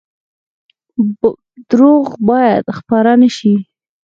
دروغ باید خپاره نشي